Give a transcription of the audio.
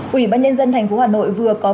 quỹ ban nhân dân tp hà nội vừa có báo